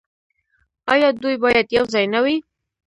آیا دوی باید یوځای نه وي؟